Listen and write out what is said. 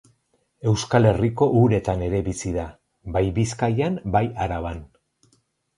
Euskal Herriko uretan ere bizi da, bai Bizkaian, bai Araban.